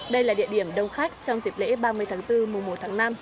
đây là địa điểm đông khách trong dịp lễ ba mươi tháng bốn mùa một tháng năm